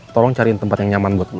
tolong cariin tempat yang nyaman buat gue